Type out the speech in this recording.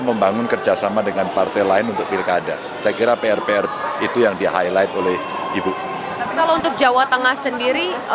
membangun kerjasama dengan partai lain untuk pilkada saya kira pr pr itu yang di highlight oleh ibu kalau untuk jawa tengah sendiri